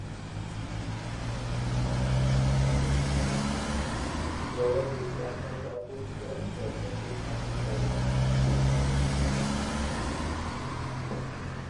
It is awarded to an author whose fame does not yet match his talent.